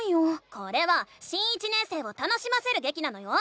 これは新１年生を楽しませるげきなのよ！